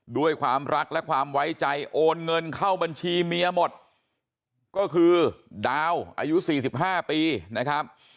ด้วยความรักและความไว้ใจโอนเงินเข้าบัญชีเมียหมดก็คือดาวอายุ๔๕ปีนะครับ